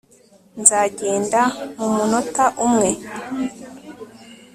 nzagenda mumunota umwe